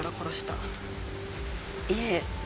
いえ。